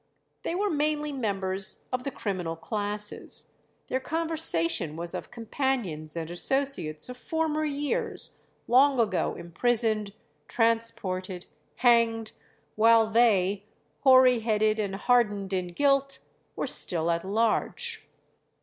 They were mainly members of the criminal [Illustration: PREPARING FOR AN EXECUTION.] classes; their conversation was of companions and associates of former years, long ago imprisoned, transported, hanged, while they, hoary headed and hardened in guilt, were still at large.